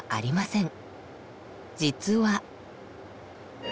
実は。